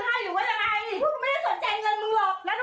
ไม่ได้เอาอะไรกับมือ